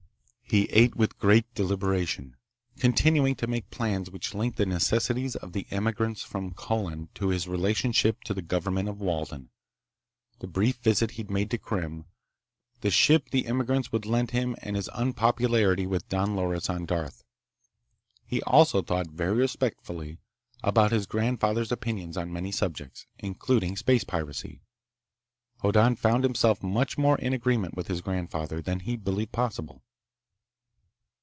He ate with great deliberation, continuing to make plans which linked the necessities of the emigrants from Colin to his relationship to the government of Walden, the brief visit he'd made to Krim, the ship the emigrants would lend him and his unpopularity with Don Loris on Darth. He also thought very respectfully about his grandfather's opinions on many subjects, including space piracy. Hoddan found himself much more in agreement with his grandfather than he'd believed possible.